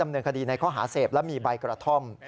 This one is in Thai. เนินคดีในข้อหาเสพและมีใบกระท่อม